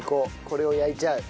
これを焼いちゃう？